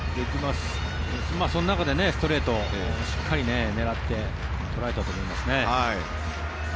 その中でストレートをしっかり狙って捉えたと思いますね。